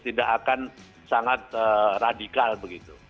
tidak akan sangat radikal begitu